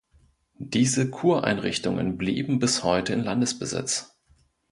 Diese Kureinrichtungen blieben bis heute in Landesbesitz.